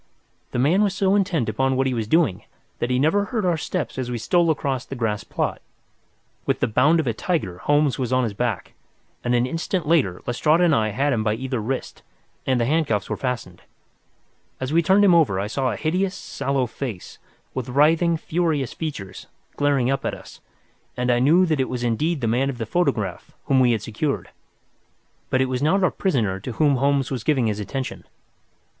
The man was so intent upon what he was doing that he never heard our steps as we stole across the grass plot. With the bound of a tiger Holmes was on his back, and an instant later Lestrade and I had him by either wrist, and the handcuffs had been fastened. As we turned him over I saw a hideous, sallow face, with writhing, furious features, glaring up at us, and I knew that it was indeed the man of the photograph whom we had secured. But it was not our prisoner to whom Holmes was giving his attention.